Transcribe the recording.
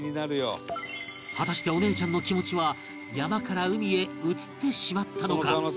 果たしてお姉ちゃんの気持ちは山から海へ移ってしまったのか？